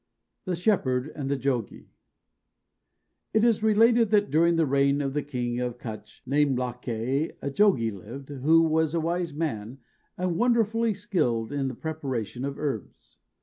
THE SHEPHERD AND THE JOGIE. It is related that during the reign of a king of Cutch, named Lakeh, a Jogie lived, who was a wise man, and wonderfully skilled in the preparation of herbs.